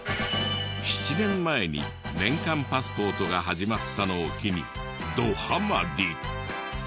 ７年前に年間パスポートが始まったのを機にドハマり。